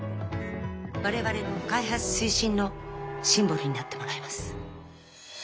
我々の開発推進のシンボルになってもらいます。